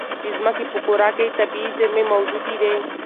د ځمکې په کوره کې طبیعي زېرمې موجودې وي.